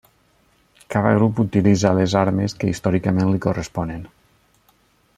Cada grup utilitza les armes que històricament li corresponen.